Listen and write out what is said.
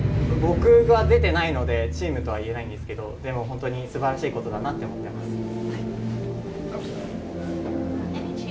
僕が出てないので、チームとは言えないんですけど、でも、本当にすばらしいことだなって思ってます。